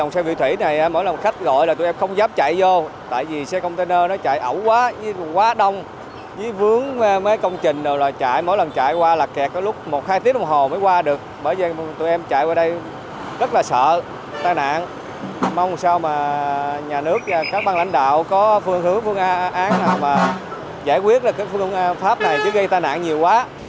nhà nước và các băng lãnh đạo có phương hướng phương án nào giải quyết phương pháp này chứ gây tai nạn nhiều quá